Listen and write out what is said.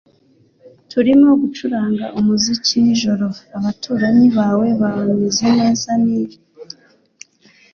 Turimo gucuranga umuziki nijoro. Abaturanyi bawe bameze neza nibi?